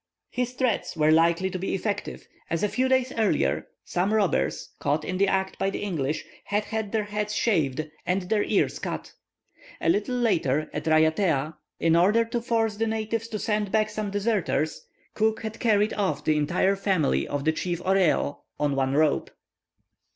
His threats were likely to be effective, as a few days earlier, some robbers, caught in the act by the English, had had their heads shaved and their ears cut. A little later at Raiatea, in order to force the natives to send back some deserters, Cook had carried off the entire family of the chief Oreo on one rope.